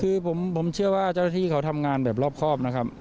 คือผมเชื่อว่าเจ้าหน้าที่เขาทำงานแบบรอบครอบนะครับ